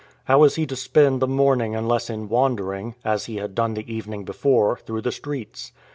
How was he to spend the morning unless in wandering, as he had done the evening before, through the streets?